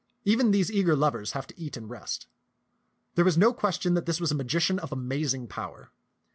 " Even these eager lovers have to eat and rest." There was no question that this was a magician of amazing power.